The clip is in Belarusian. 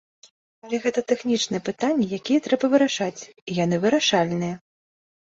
Але гэта тэхнічныя пытанні, якія трэба вырашаць і яны вырашальныя.